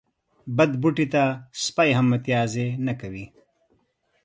بد بوټي ته سپي هم متازې نه کوي.